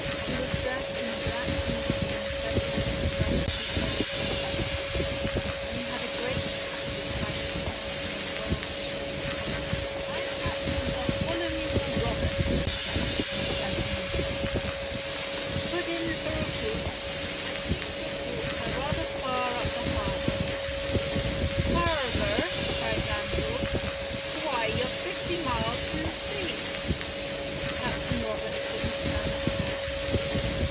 He was dressed in a black uniform set out with rusty gold lace, and he had a great cutlass by his side in a brass sheath. "I'm Captain Bartholomew Roberts," he said, in a gentleman's voice, " put in for recruits. I seem to have brought her rather far up the harbour." " Harbour !" cried landlord ;" why, you're fifty miles from the sea." THE GHOST SHIP 7 Captain Roberts didn't turn a hair.